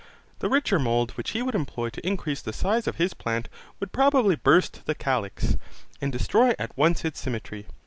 The richer mould which he would employ to increase the size of his plant would probably burst the calyx, and destroy at once its symmetry.